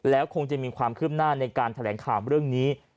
แล้วคงจะมีความคืบหน้าในการแถลงข่าวเรื่องนี้